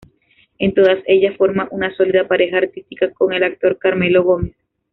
En todas ellas forma una sólida pareja artística con el actor Carmelo Gómez.